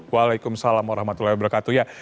waalaikumsalam warahmatullahi wabarakatuh